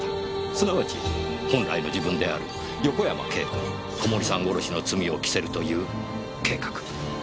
すなわち本来の自分である横山慶子に小森さん殺しの罪を着せるという計画。